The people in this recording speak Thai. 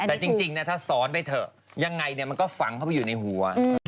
แต่จริงถ้าซ้อนไปเถอะยังไงมันก็ฝังเข้าไปอยู่ในหัว